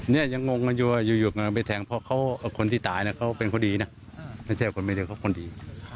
เนี่ยยังงงกันอยู่ว่าอยู่กันไปแทงเพราะคนที่ตายนะเขาเป็นคนดีนะไม่ใช่คนไม่ดีเขาคนดี